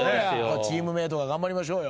チームメートが頑張りましょうよ。